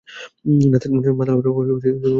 নাস্তার সময়ে মাতাল হওয়াটা ভাল নয়।